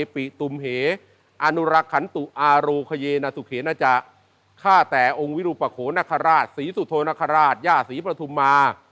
พระเจ้าข้าแต่องค์วิรุปโขนรรคราชศรีสุโธรรรคราชย่าศรีประทุมมาร์